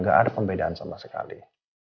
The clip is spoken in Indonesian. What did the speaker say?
gak ada pembedaan sama sekali